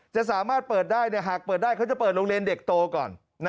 จะสามารถเปิดได้หากเปิดได้เขาจะเปิดโรงเรียนเด็กโตก่อน